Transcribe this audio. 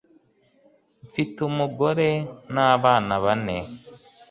mfite umugore n'abana bane